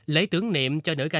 lấy tướng niệm cho nữ ca sĩ